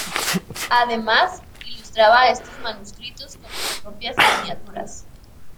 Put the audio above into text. Además, ilustraba estos manuscritos con sus propias miniaturas.